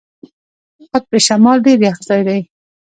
قطب شمال ډېر یخ ځای دی.